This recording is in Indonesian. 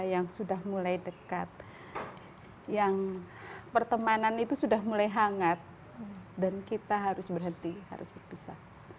yang sudah mulai dekat yang pertemanan itu sudah mulai hangat dan kita harus berhenti harus berpisah